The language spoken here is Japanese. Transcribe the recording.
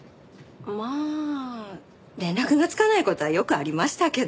まあ連絡がつかない事はよくありましたけど。